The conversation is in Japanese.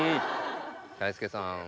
大輔さん。